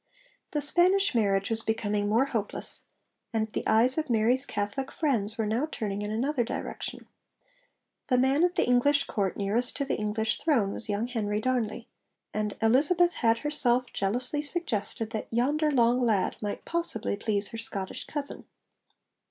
The Spanish marriage was becoming more hopeless, and the eyes of Mary's Catholic friends were now turning in another direction. The man at the English court nearest to the English throne was young Henry Darnley, and Elizabeth had herself jealously suggested that 'yonder long lad' might possibly please her Scottish cousin.